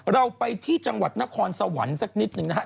เราไปที่จังหวัดนครสวรรค์สักนิดหนึ่งนะครับ